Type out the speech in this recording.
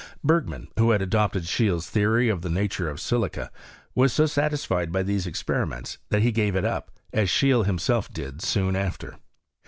Bergman, who had adopted Scheele's theory of the nature of silica, was so satis fled by these experiments, that he gave it up, as Scheele himself did soon after.